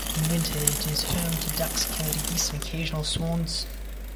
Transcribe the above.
In winter it is home to ducks, Canada geese and occasional swans.